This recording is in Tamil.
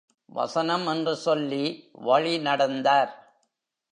வசனம் என்று சொல்லி வழிநடந்தார்.